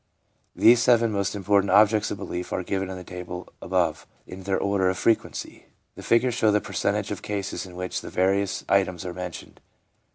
These seven most important objects of belief are given in the table above in their order of frequency. The figures show the percentage of cases in which the various items are mentioned.